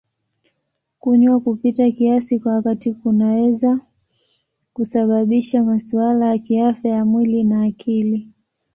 Kunywa kupita kiasi kwa wakati kunaweza kusababisha masuala ya kiafya ya mwili na akili.